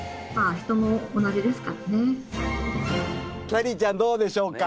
きゃりーちゃんどうでしょうか？